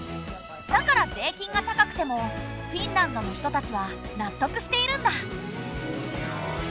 だから税金が高くてもフィンランドの人たちは納得しているんだ。